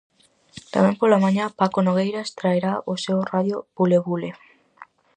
Tamén pola mañá Paco Nogueiras traerá o seu radio bulebule.